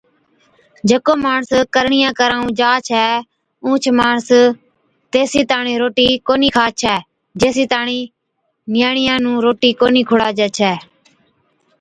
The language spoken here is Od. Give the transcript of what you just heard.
جڪو ماڻس ڪرڻِيان ڪرائُون جا ڇَي اُونھچ ماڻس تيسِي تاڻِين روٽِي ڪونھِي کا ڇي جيسِي تاڻِين نِياڻِيا نُون روٽِي ڪونھِي کُڙاجَي ڇَي